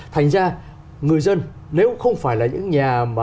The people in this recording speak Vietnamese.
thành ra người dân nếu không phải là những nhà